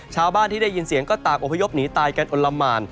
ชาวบ้านที่ได้ยินเสียงก็ต่างอพยพหนีตายกันอลละหมาน